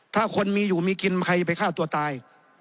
ถ้าคนมีอยู่มีกินใครไปฆ่าตัวตาย